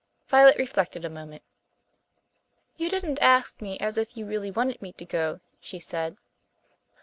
Violet reflected a moment. "You didn't ask me as if you really wanted me to go," she said.